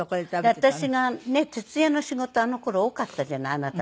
私がねっ徹夜の仕事あの頃多かったじゃないあなたと一緒の。